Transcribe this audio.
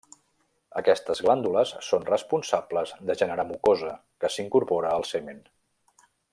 Aquestes glàndules són responsables de generar mucosa que s'incorpora al semen.